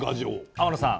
天野さん